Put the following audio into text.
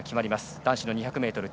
男子の２００ｍＴ